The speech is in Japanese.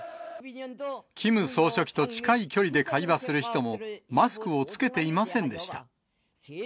キム総書記と近い距離で会話する人も、マスクを着けていませんでした。